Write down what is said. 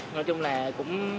nói chung là cũng